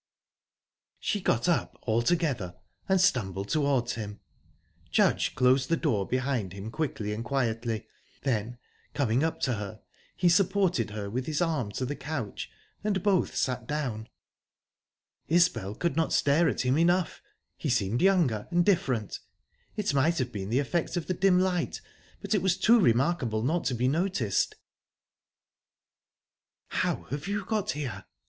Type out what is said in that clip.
She got up altogether, and stumbled towards him. Judge closed the door behind him quickly and quietly; then, coming up to her, he supported her with his arm to the couch, and both sat down. Isbel could not stare at him enough. He seemed younger, and different. It might have been the effect of the dim light, but it was too remarkable not to be noticed. "How have you got here?"